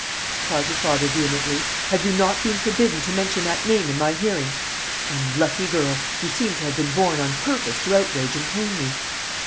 cried her father vehemently, "have you not been forbidden to mention that name in my hearing? Unlucky girl, you seem to have been born on purpose to outrage and pain me."